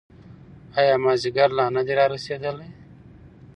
ایا مازیګر لا نه دی رارسېدلی؟